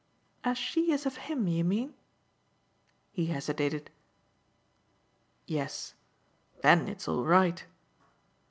"As she is of him, you mean?" He hesitated. "Yes. Then it's all right."